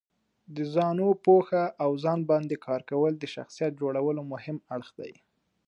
د ځانو پوهه او ځان باندې کار کول د شخصیت جوړولو مهم اړخ دی.